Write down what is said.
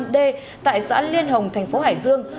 ba nghìn bốn trăm linh năm d tại xã liên hồng thành phố hải dương